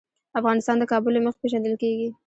افغانستان د کابل له مخې پېژندل کېږي.